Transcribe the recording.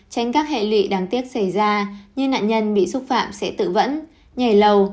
tránh các hệ lụy đáng tiếc xảy ra như nạn nhân bị xúc phạm sẽ tự vẫn nhảy lầu